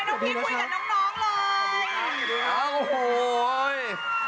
พี่พีชเพิ่งคุยกับน้องเลย